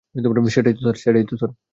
সেটাই তো, স্যার।